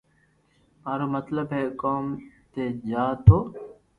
مارو مطلب ھي ڪوم تي جا تو